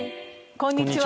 こんにちは。